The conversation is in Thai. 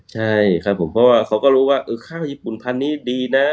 ใช่ครับผมเพราะว่าเขาก็รู้ว่าข้าวญี่ปุ่นพันธุ์นี้ดีนะ